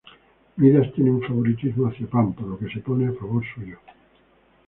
Midas tiene un favoritismo hacia Pan, por lo que se pone a favor suyo.